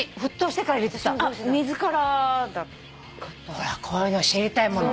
ほらこういうの知りたいもの。